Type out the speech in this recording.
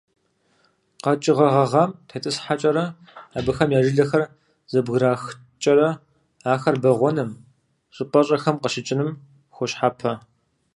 КъэкӀыгъэ гъэгъам тетӀысхьэкӀэрэ, абыхэм я жылэхэр зэбграхкӀэрэ ахэр бэгъуэным, щӀыпӀэщӀэхэм къыщыкӀыным хуощхьэпэ.